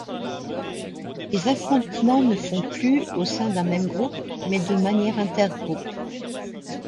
Les affrontements ne font plus au sein d'un même groupe mais de manière inter-groupe.